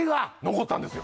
残ったんですよ